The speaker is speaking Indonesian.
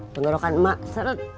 pengurukan emak seret